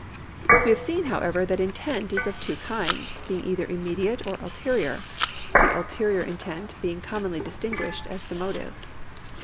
We have seen, however, that intent is of two kinds, being either immediate or ulterior, the ulterior intent being com monly distinguished as the motive.